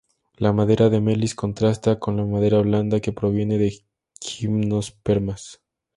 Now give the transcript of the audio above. La madera de melis contrasta con la madera blanda que proviene de gimnospermas.